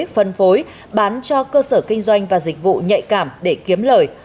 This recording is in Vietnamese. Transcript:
phân phối bán cho cơ sở kinh doanh và dịch vụ nhạy cảm để kiếm lời